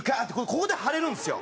ここで張れるんですよ！